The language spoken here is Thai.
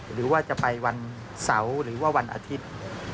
หรือว่าจะไปวันเสาร์หรือว่าวันอาทิตย์